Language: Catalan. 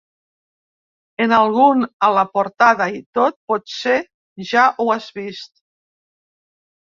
En algun a la portada i tot, potser ja ho has vist.